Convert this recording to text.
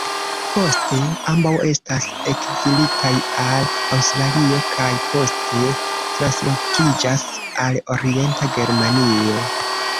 Poste, ambaŭ estas ekzilitaj al Aŭstralio, kaj poste translokiĝas al Orienta Germanio.